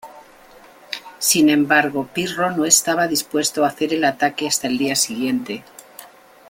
Sin embargo, Pirro no estaba dispuesto a hacer el ataque hasta el día siguiente.